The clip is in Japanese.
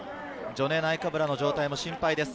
ジョネ・ナイカブラの状態も心配です。